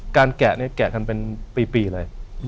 จะแกะกันเป็นปีเลย